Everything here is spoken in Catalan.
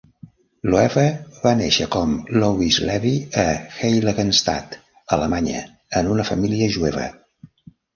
Loewe va néixer com Louis Levy a Heiligenstadt, Alemanya, en una família jueva.